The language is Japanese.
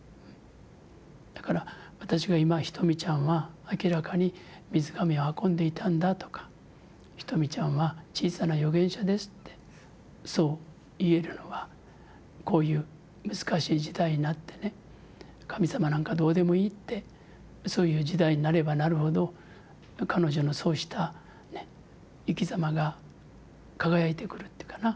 だから私が今ひとみちゃんは明らかに「水がめを運んでいたんだ」とか「ひとみちゃんは小さな預言者です」ってそう言えるのはこういう難しい時代になってね「神様なんかどうでもいい」ってそういう時代になればなるほど彼女のそうした生きざまが輝いてくるっていうかな。